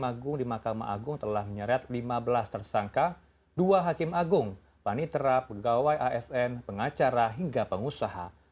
mahkamah agung di mahkamah agung telah menyeret lima belas tersangka dua hakim agung panitera pegawai asn pengacara hingga pengusaha